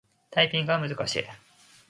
タイピングは難しい。